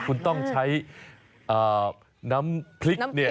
คุณต้องใช้น้ำพริกน้ำพริกถ้วยเท่านั่น